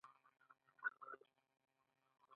په دې سیمه کې بیلابیل لرغوني تمدنونه رامنځته شول.